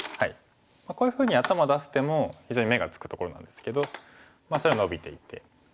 こういうふうに頭出す手も非常に目がつくところなんですけど白はノビていて。